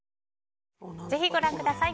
ぜひご覧ください。